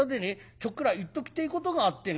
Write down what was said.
ちょっくら言っときてえことがあってな。